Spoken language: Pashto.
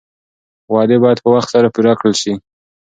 وعدې باید په وخت سره پوره کړل شي.